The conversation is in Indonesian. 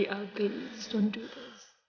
tolonglah jangan lakukan ini